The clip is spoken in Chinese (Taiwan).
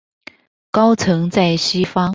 高層在西方